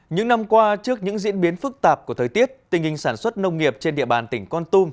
những năm qua trước những diễn biến phức tạp của thời tiết tình hình sản xuất nông nghiệp trên địa bàn tỉnh con tum